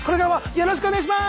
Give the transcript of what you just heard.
よろしくお願いします。